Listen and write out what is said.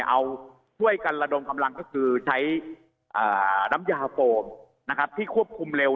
เอาช่วยกันระดมกำลังก็คือใช้น้ำยาโฟมที่ควบคุมเร็ว